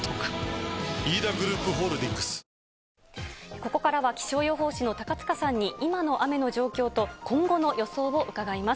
ここからは気象予報士の高塚さんに、今の雨の状況と、今後の予想を伺います。